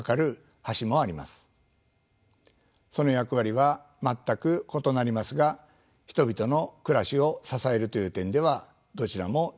その役割は全く異なりますが人々の暮らしを支えるという点ではどちらも重要です。